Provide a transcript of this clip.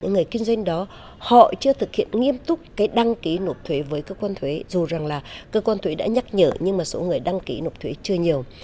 người kinh doanh đó họ chưa thực hiện nghiêm túc cái đăng ký nộp thuế với cơ quan thuế dù rằng là cơ quan thuế đã nhắc nhở nhưng mà số người đăng ký nộp thuế chưa nhiều